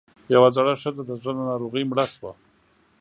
يوه زړه ښځۀ د زړۀ له ناروغۍ مړه شوه